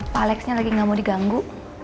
pak alexnya lagi gak mau diganggu